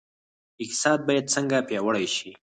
اقتصاد باید څنګه پیاوړی شي؟